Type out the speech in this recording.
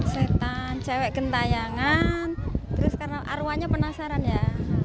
setan cewek kentayangan terus karena arwahnya penasaran ya